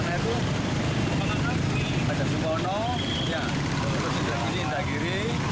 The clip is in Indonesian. ini adalah jalan terakhir